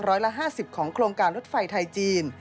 ร้อยละ๕๐ของโครงการรถไฟไทยจีน